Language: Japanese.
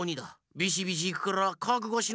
ビシビシいくからかくごしな！